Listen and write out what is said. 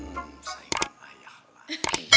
hmm sayang ayah lah